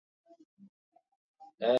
Mpangilio wa kisarufi unaokubalika